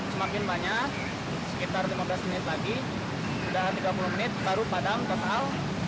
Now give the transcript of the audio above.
sudah tiga puluh menit baru padam tersal